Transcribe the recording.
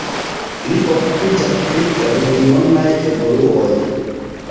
Li okupiĝas pri regionaj evoluoj.